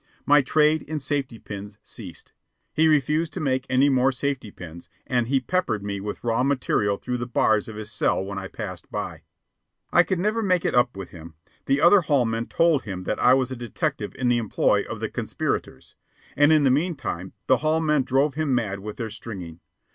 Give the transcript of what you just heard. My trade in safety pins ceased. He refused to make any more safety pins, and he peppered me with raw material through the bars of his cell when I passed by. I could never make it up with him. The other hall men told him that I was a detective in the employ of the conspirators. And in the meantime the hall men drove him mad with their stringing.